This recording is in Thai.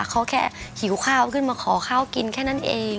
เขาแค่หิวข้าวขึ้นมาขอข้าวกินแค่นั้นเอง